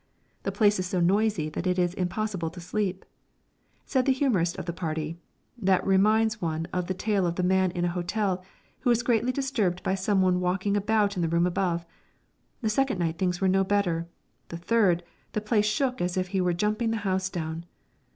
The place is so noisy that it is impossible to sleep. Said the humorist of the party, "That reminds one of the tale of the man in an hotel who was greatly disturbed by someone walking about in the room above. The second night things were no better; the third, the place shook as if he were jumping the house down.